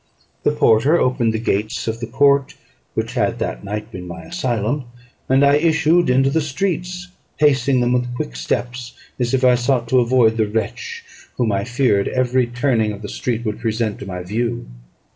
The porter opened the gates of the court, which had that night been my asylum, and I issued into the streets, pacing them with quick steps, as if I sought to avoid the wretch whom I feared every turning of the street would present to my view.